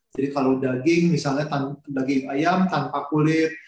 jadi kalau daging misalnya daging ayam tanpa kulit